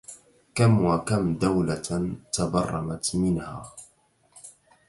كم وكم دولة تبرمت منها